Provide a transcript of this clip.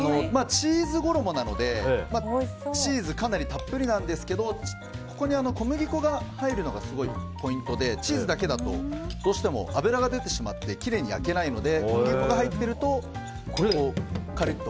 チーズ衣なので、チーズかなりたっぷりなんですけどここに小麦粉が入るのがポイントでチーズだけだとどうしても油が出てしまってきれいに焼けないので小麦粉が入っているとカリッと。